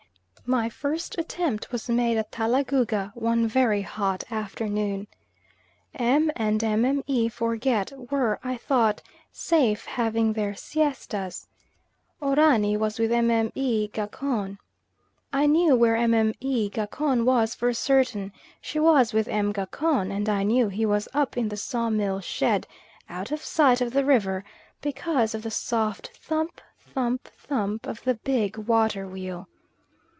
My first attempt was made at Talagouga one very hot afternoon. M. and Mme. Forget were, I thought, safe having their siestas, Oranie was with Mme. Gacon. I knew where Mme. Gacon was for certain; she was with M. Gacon; and I knew he was up in the sawmill shed, out of sight of the river, because of the soft thump, thump, thump of the big water wheel.